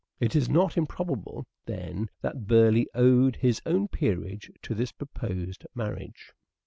It is not improbable, then, that Burleigh owed his own peerage to the proposed marriage.